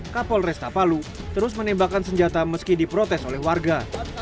kapol restapalu terus menembakkan senjata meski diprotes oleh warga